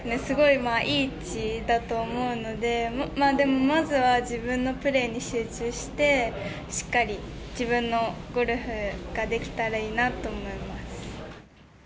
いい位置だと思うのでまずは自分のプレーに集中してしっかり自分のゴルフができたらいいなと思います。